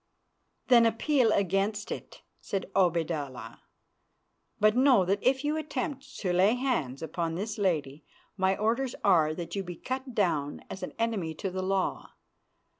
"Then appeal against it," said Obaidallah, "but know that if you attempt to lay hands upon this lady, my orders are that you be cut down as an enemy to the law.